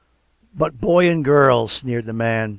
" But boy and girl !" sneered the man.